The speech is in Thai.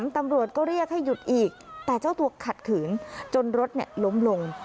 ตำรวจก็เรียกให้หยุดอีกแต่เจ้าตัวขัดขืนจนรถล้มลง